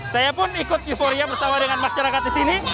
saya pun ikut euforia bersama dengan masyarakat di sini